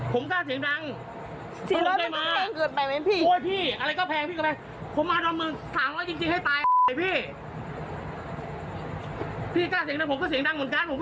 ผมกล้าเสียงดัง